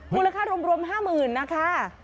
มูลค่ารวม๕๐๐๐นะคะ